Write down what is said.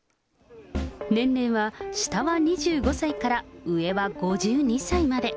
年齢は下は２５歳から、上は５２歳まで。